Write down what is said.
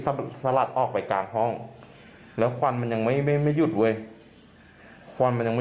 สลัดออกไปกลางห้องแล้วควันมันยังไม่ไม่หยุดเว้ยควันมันยังไม่